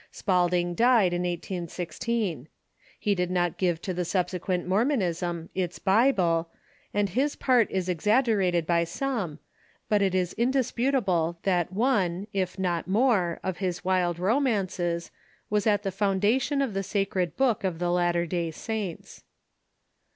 Spaul ding died in 1816. He did not give to the subsequent Mor monism its Bible, and his part is exaggerated by some, but it is undisputable that one, if not more, of his wild romances Avas at the foundation of the sacred book of the Latter Day Saints.